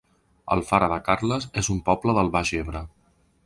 Alfara de Carles es un poble del Baix Ebre